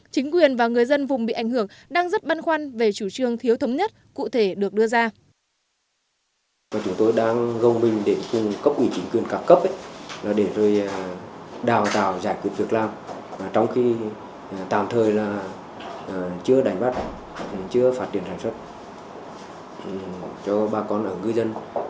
chính quyền và người dân vùng bị ảnh hưởng đang rất băn khoăn về chủ trương thiếu thấm nhất cụ thể được đưa ra